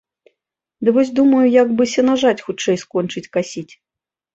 Ды вось думаю, як бы сенажаць хутчэй скончыць касіць.